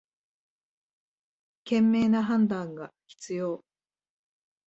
賢明な判断が必要